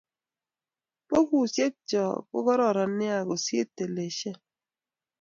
Bukusiek cko kokaroronen nea kosir teleshen